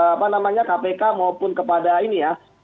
apa namanya kpk maupun kepada ini ya